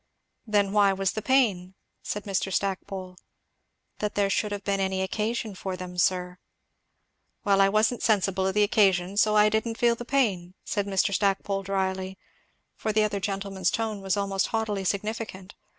"Then why was the pain?" said Mr. Stackpole. "That there should have been any occasion for them, sir." "Well I wasn't sensible of the occasion, so I didn't feel the pain," said Mr. Stackpole dryly, for the other gentleman's tone was almost haughtily significant.